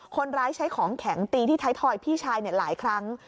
คนร้ายใช้ของแข็งตีที่ไทยทอยพี่ชายหลายครั้ง